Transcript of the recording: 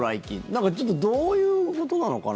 なんかちょっとどういうことなのかな。